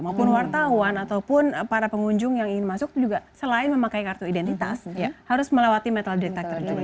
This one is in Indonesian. maupun wartawan ataupun para pengunjung yang ingin masuk juga selain memakai kartu identitas harus melewati metal detector juga